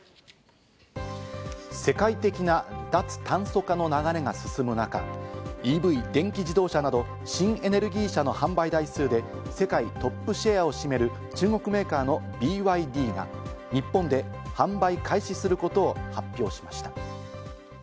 世界的な脱炭素化の流れが進む中、ＥＶ電気自動車など新エネルギー車の販売台数で世界トップシェアを占める中国メーカーのＢＹＤが日本で販売開始することを発表しました。